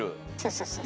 そうそう。